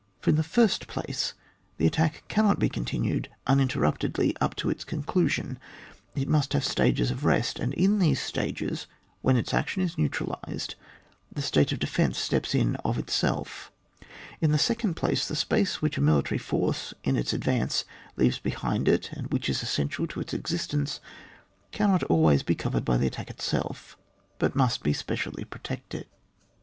For in the first place, the attack cannot be continued uninterruptedly up to its conclusion, it must have stages of rest, and in these stages, when its action is neutralised, the state of defence steps in of itself ; in the second place, the space which a military force, in its advance, leaves behind it, and which is essential to its existence, cannot always be covered by the attack itself, but must be specially protected.